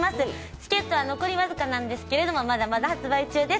チケットも残り僅かなんですけれどもまだまだ発売中です。